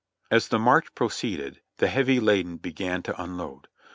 As the march proceeded, the heavy laden began to unload.